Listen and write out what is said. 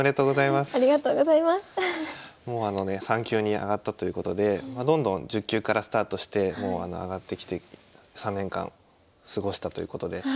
３級に上がったということでどんどん１０級からスタートして上がってきて３年間過ごしたということで。